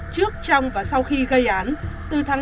trước trong và sau khi gây án